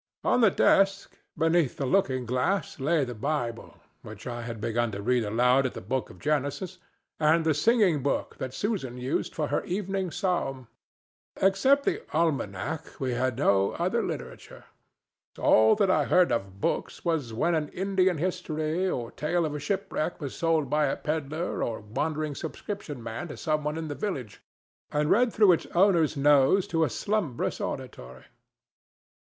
On the desk, beneath the looking glass, lay the Bible, which I had begun to read aloud at the book of Genesis, and the singing book that Susan used for her evening psalm. Except the almanac, we had no other literature. All that I heard of books was when an Indian history or tale of shipwreck was sold by a pedler or wandering subscription man to some one in the village, and read through its owner's nose to a slumbrous auditory.